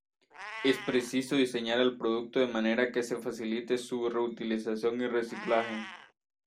Es preciso diseñar el producto de manera que se facilite su reutilización y reciclaje.